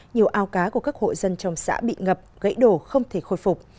nhiều ao cá của các hộ dân trong xã bị ngập gãy đổ không thể khôi phục